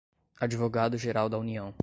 advogado-geral da União